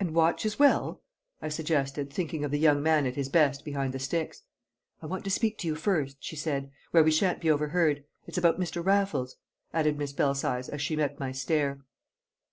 "And watch as well?" I suggested, thinking of the young man at his best behind the sticks. "I want to speak to you first," she said, "where we shan't be overheard. It's about Mr. Raffles!" added Miss Belsize as she met my stare.